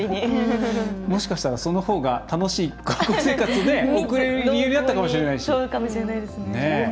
もしかしたら、そのほうが楽しい学校生活、送れる理由になったかもしれないし。